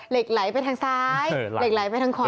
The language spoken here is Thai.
เหล็กไหลไปทางซ้ายเหล็กไหลไปทางคอ